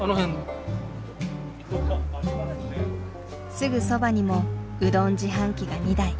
すぐそばにもうどん自販機が２台。